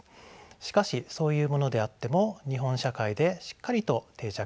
しかしそういうものであっても日本社会でしっかりと定着しています。